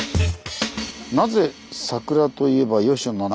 「なぜ桜といえば吉野なのか」。